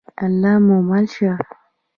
الله مو مل شه؟